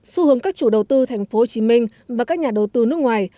xu hướng các chủ đầu tư tp hcm và các nhà đầu tư nước ngoài